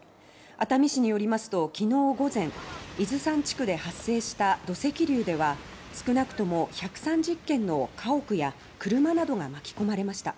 熱海市によりますときのう午前伊豆山地区で発生した土石流では少なくとも１３０軒の家屋や車などが巻き込まれました。